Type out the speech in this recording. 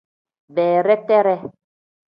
Bereteree.